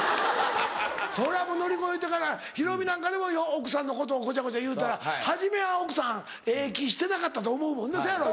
それはもう乗り越えてかなヒロミなんかでも奥さんのことをごちゃごちゃ言うたら初めは奥さんええ気してなかったと思うそやろ？